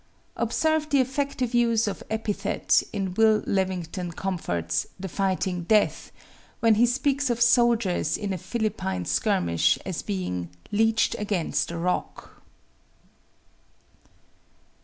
Observe the effective use of epithet in Will Levington Comfort's "The Fighting Death," when he speaks of soldiers in a Philippine skirmish as being "leeched against a rock."